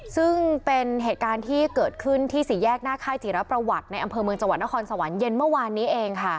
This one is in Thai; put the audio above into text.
ซึ่งเป็นเหตุการณ์ที่เกิดขึ้นที่สี่แยกหน้าค่ายจิรประวัติในอำเภอเมืองจังหวัดนครสวรรค์เย็นเมื่อวานนี้เองค่ะ